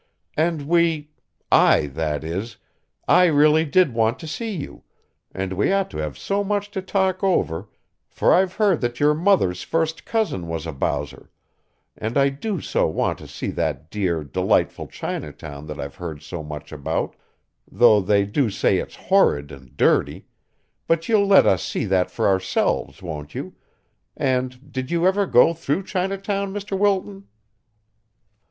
And we I that is, I really did want to see you, and we ought to have so much to talk over, for I've heard that your mother's first cousin was a Bowser, and I do so want to see that dear, delightful Chinatown that I've heard so much about, though they do say it's horrid and dirty, but you'll let us see that for ourselves, won't you, and did you ever go through Chinatown, Mr. Wilton?"